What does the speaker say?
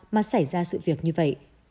mà xảy ra sự việc như vậy